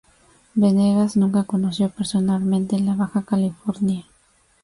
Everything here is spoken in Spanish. Venegas nunca conoció personalmente la Baja California.